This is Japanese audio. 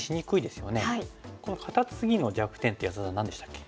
このカタツギの弱点って安田さん何でしたっけ？